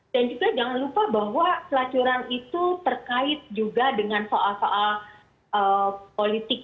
dan juga jangan lupa bahwa pelacuran itu terkait juga dengan soal soal politik